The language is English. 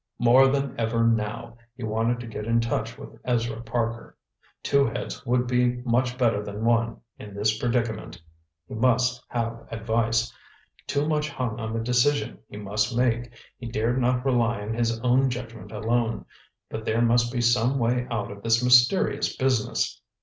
More than ever now, he wanted to get in touch with Ezra Parker. Two heads would be much better than one in this predicament. He must have advice. Too much hung on the decision he must make—he dared not rely on his own judgment alone. But there must be some way out of this mysterious business.